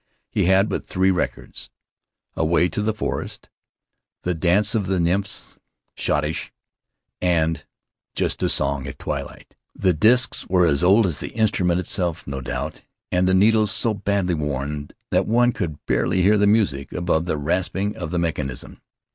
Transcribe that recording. He had but three records: "iiway to the Forest," "The Dance of the Nymphs Schottische," and "Just a Song at Twilight.' 5 The disks were as old as the instrument itself, no doubt, and the needles so badly worn that one could barely hear the music above the rasping of the mechanism.